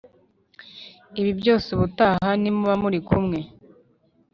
ibi byose, ubutaha nimuba muri kumwe